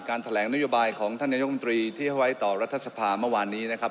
แถลงนโยบายของท่านนายกรรมตรีที่ให้ไว้ต่อรัฐสภาเมื่อวานนี้นะครับ